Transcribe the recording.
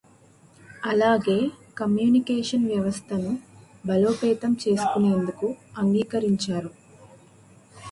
అలాగే కమ్యూనికేషన్ వ్యవస్థను బలోపేతం చేసుకొనేందుకు అంగీకరించారు.